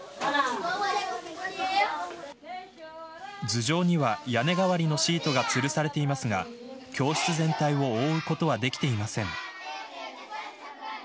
頭上には屋根代わりのシートがつるされていますが教室全体を覆うことはできていません。